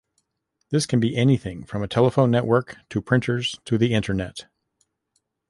This can be anything from a telephone network, to printers, to the Internet.